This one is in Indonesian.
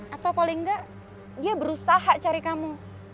atau paling enggak dia berusaha cari kamu